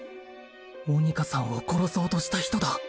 モニカさんを殺そうとした人だ